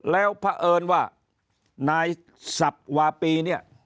แล้วเผอิญว่านายสับวาปี